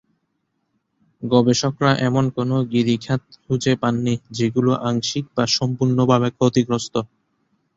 গবেষকরা এমন কোন গিরিখাত খুঁজে পাননি যেগুলো আংশিক বা সম্পূর্ণভাবে ক্ষতিগ্রস্ত।